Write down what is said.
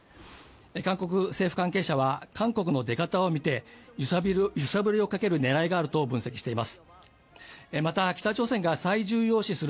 韓国政府関係者は韓国の出方を見て揺さぶり揺さぶりをかけるねらいがあると分析しています